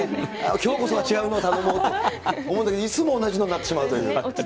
きょうこそは違うものを頼もうと思うんだけど、いつも同じのになってしまうという。